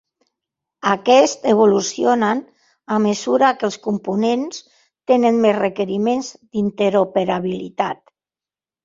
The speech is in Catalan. Aquests evolucionen a mesura que els components tenen més requeriments d'interoperabilitat.